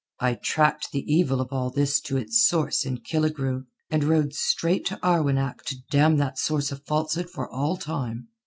I tracked the evil of all this to its source in Killigrew, and rode straight to Arwenack to dam that source of falsehood for all time.